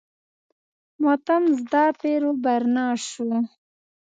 ماتم زده پیر و برنا شو.